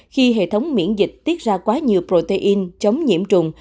khi hệ thống miễn dịch tiết ra quá nhiều protein chống nhiễm trùng